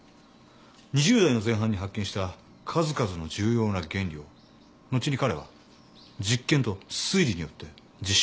２０代の前半に発見した数々の重要な原理を後に彼は実験と推理によって実証していったんだ。